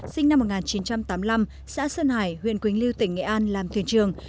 sinh năm một nghìn chín trăm tám mươi năm xã sơn hải huyện quỳnh lưu tỉnh nghệ an làm thuyền trường